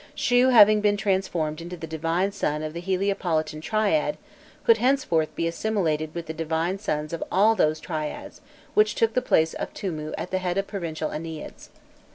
Shu having been transformed into the divine son of the Heliopolitan triad, could henceforth be assimilated with the divine sons of all those triads which took the place of Tûmû at the heads of provincial Enneads.